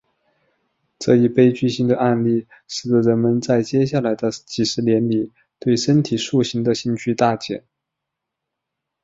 这一悲剧性的案例使得人们在接下来的几十年里对身体塑形的兴趣大减。